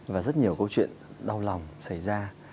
và rất nhiều câu chuyện đau lòng xảy ra